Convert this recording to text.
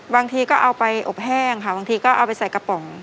บางทีก็เอาไปอบแห้งค่ะบางทีก็เอาไปใส่กระป๋อง